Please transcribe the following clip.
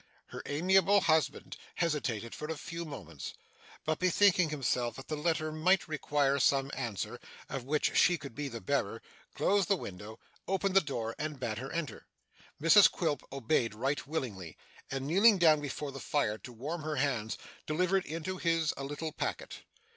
Her amiable husband hesitated for a few moments; but, bethinking himself that the letter might require some answer, of which she could be the bearer, closed the window, opened the door, and bade her enter. Mrs Quilp obeyed right willingly, and, kneeling down before the fire to warm her hands, delivered into his a little packet.